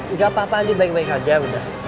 nggak apa apa andi baik baik aja ya udah